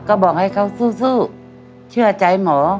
ก็บอกให้เขาสู้เชื่อใจหมอ